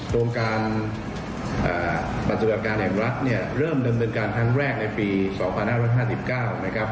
โรงการปฏิบัติการแห่งรัฐเนี่ยเริ่มดำเนินการครั้งแรกในปี๒๕๕๙นะครับ